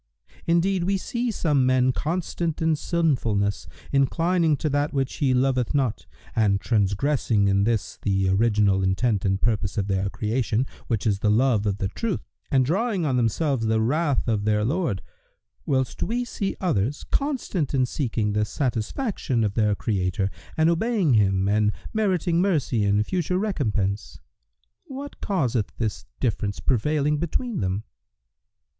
Indeed, we see some men constant in sinfulness, inclining to that which He loveth not and transgressing in this the original intent and purpose of their creation, which is the love of the Truth, and drawing on themselves the wrath of their Lord, whilst we see others constant in seeking the satisfaction of their Creator and obeying Him and meriting mercy and future recompense. What causeth this difference prevailing between them?"